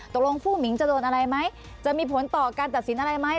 ผู้หมิงจะโดนอะไรไหมจะมีผลต่อการตัดสินอะไรไหม